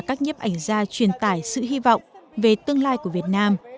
các nhếp ảnh gia truyền tải sự hy vọng về tương lai của việt nam